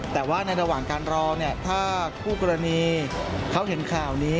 แต่ว่าในระหว่างการรอถ้าคู่กรณีเขาเห็นข่าวนี้